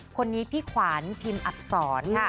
คนนี้พี่ขวานพิมอับศร